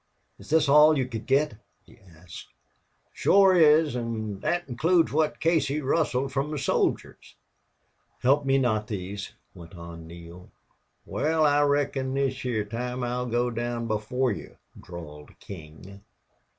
"Is this all you could get?" he asked. "Shore is. An' thet includes what Casey rustled from the soldiers." "Help me knot these," went on Neale. "Wal, I reckon this heah time I'll go down before you," drawled King.